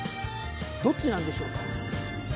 どっちなんでしょうか？